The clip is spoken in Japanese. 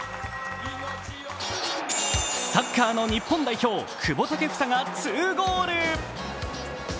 サッカーの日本代表久保建英が２ゴール。